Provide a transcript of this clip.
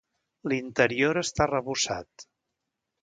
L'interior està arrebossat.